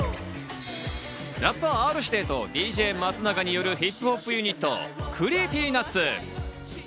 ラッパー、Ｒ−指定とＤＪ松永によるヒップホップユニット、ＣｒｅｅｐｙＮｕｔｓ。